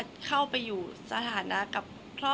คนเราถ้าใช้ชีวิตมาจนถึงอายุขนาดนี้แล้วค่ะ